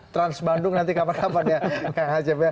trans bandung nanti kapan kapan ya kak nacep